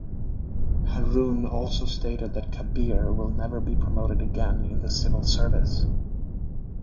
Harun also stated that Kabir will never be promoted again in the civil service.